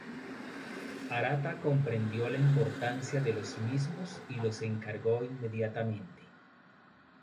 Arata comprendió la importancia de los mismos y los encargó inmediatamente.